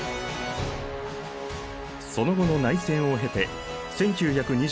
その後の内戦を経て１９２２年